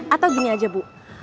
atau gini aja bu